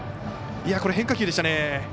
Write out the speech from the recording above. これ変化球でしたね。